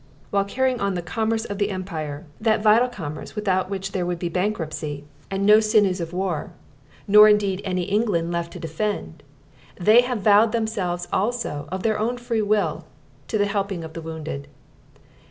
While carrying on the commerce of the Empire that vital commerce without which there would be bankruptcy and no sinews of war, nor indeed any England left to defend they have vowed themselves also, of their own free will, to the helping of the wounded.